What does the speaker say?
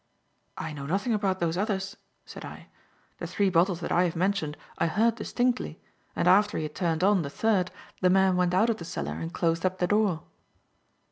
"I know nothing about those others," said I. "The three bottles that I have mentioned I heard distinctly, and after he had turned on the third, the man went out of the cellar and closed up the door."